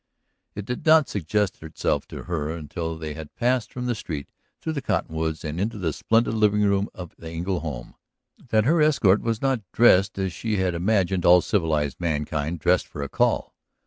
It did not suggest itself to her until they had passed from the street, through the cottonwoods and into the splendid living room of the Engle home, that her escort was not dressed as she had imagined all civilized mankind dressed for a call.